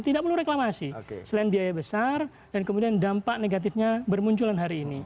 tidak perlu reklamasi selain biaya besar dan kemudian dampak negatifnya bermunculan hari ini